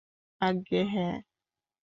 আজ্ঞে, হ্যাঁ!